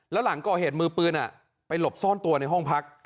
แล้วหลังก่อเหตุมือปืนไปหลบซ่อนตัวในห้องพัก